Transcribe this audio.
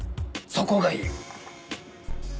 そこがいい。